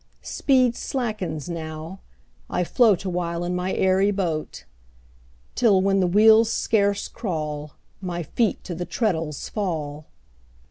Speed slackens now, I float Awhile in my airy boat; Till, when the wheels scarce crawl, My feet to the treadles fall.